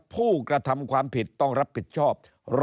ผู้กระทำความผิดต้องรับผิดชอบ